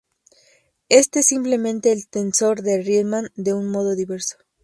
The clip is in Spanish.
Éste es simplemente el tensor de Riemann de un modo diverso.